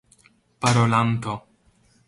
parolanto